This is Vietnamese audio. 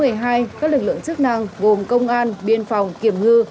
các lực lượng chức năng gồm công an biên phòng kiểm ngư